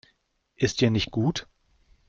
Ist dir nicht gut?